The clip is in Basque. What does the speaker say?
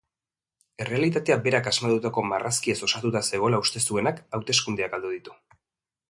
Errealitatea berak asmatutako marrazkiez osatuta zegoela uste zuenak hauteskundeak galdu ditu.